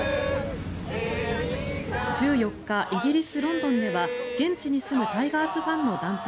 １４日イギリス・ロンドンでは現地に住むタイガースファンの団体